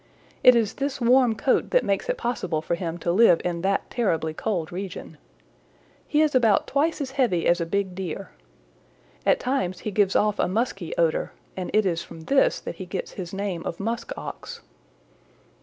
It is this warm coat that makes it possible for him to live in that terribly cold region. He is about twice as heavy as a big Deer. At times he gives off a musky odor, and it is from this that he gets his name of Musk Ox.